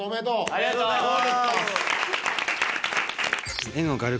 ありがとうございます！